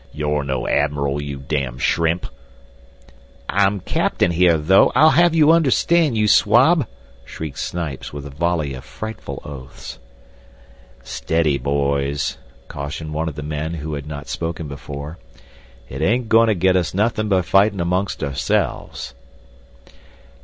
"You're no admiral, you damned shrimp." "I'm Cap'n here, though, I'll have you to understand, you swab," shrieked Snipes, with a volley of frightful oaths. "Steady, boys," cautioned one of the men who had not spoken before. "It ain't goin' to get us nothing by fightin' amongst ourselves."